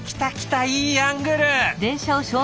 いいアングル！